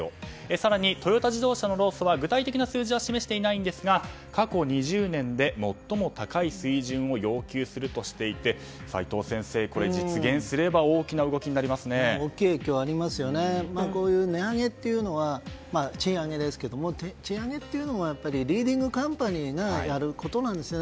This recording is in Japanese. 更にトヨタ自動車の労組は具体的な数字は示していないんですが過去２０年で最も高い水準を要求するとしていて齋藤先生、これ、実現すればこういう値上げというのは賃上げですけども賃上げというのはリーディングカンパニーがやることなんですよね。